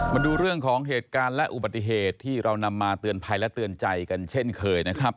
มาดูเรื่องของเหตุการณ์และอุบัติเหตุที่เรานำมาเตือนภัยและเตือนใจกันเช่นเคยนะครับ